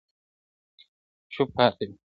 • چوپ پاته وي,